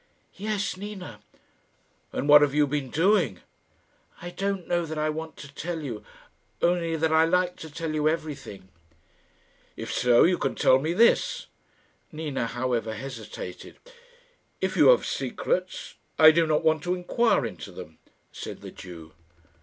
"Yes; Nina." "And what have you been doing?" "I don't know that I want to tell you; only that I like to tell you everything." "If so, you can tell me this." Nina, however, hesitated. "If you have secrets, I do not want to inquire into them," said the Jew.